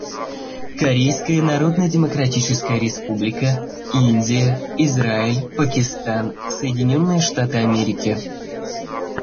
Корейская Народно-Демократическая Республика, Индия, Израиль, Пакистан, Соединенные Штаты Америки.